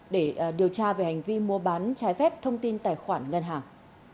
để điều tra về hành vi mua bán trái phép thông tin tài khoản ngân hàng